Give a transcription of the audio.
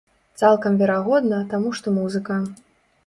Цалкам верагодна, таму што музыка.